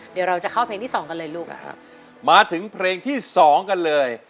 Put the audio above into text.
เดี๋ยวเราจะเข้าเพลงที่สองกันเลยลูกนะครับมาถึงเพลงที่สองกันเลย